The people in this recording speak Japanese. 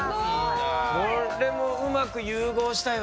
これもうまく融合したよね。